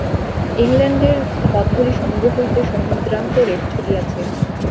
ইংলণ্ডের পথগুলি সমুদ্র হইতে সমুদ্রান্তরে ছুটিয়াছে।